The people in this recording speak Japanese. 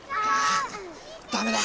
ダメだ。